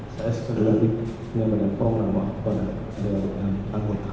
saya sekadar berhati hati dengan program program penyelamatkan anggota